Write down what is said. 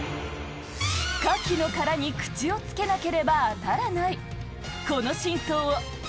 カキの殻に口をつけなければあたらない。